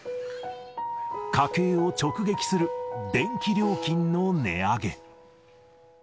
家計を直撃する電気料金の値上げ。